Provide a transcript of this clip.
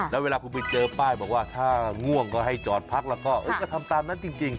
แล้วเวลาคุณไปเจอป้ายบอกว่าถ้าง่วงก็ให้จอดพักแล้วก็ทำตามนั้นจริง